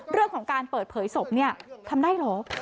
เรื่องของการเปิดเผยศพทำได้หรือ